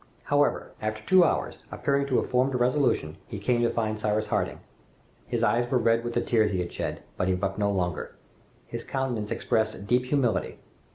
However, after two hours, appearing to have formed a resolution, he came to find Cyrus Harding. His eyes were red with the tears he had shed, but he wept no longer. His countenance expressed deep humility.